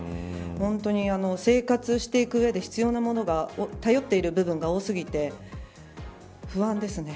本当に生活していく上で必要なものが頼っている部分が多すぎて不安ですね。